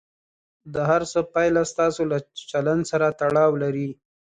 د هر څه پایله ستاسو له چلند سره تړاو لري.